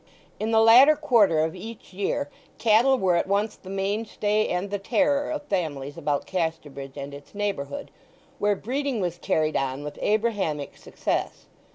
In the latter quarter of each year cattle were at once the mainstay and the terror of families about Casterbridge and its neighbourhood, where breeding was carried on with Abrahamic success.